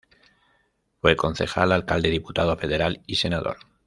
Fue concejal, alcalde, diputado federal y senador.